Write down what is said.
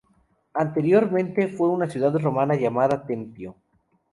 Anteriormente fue una ciudad romana llamada Tempio.